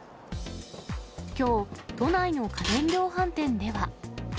きょう、都内の家電量販店では。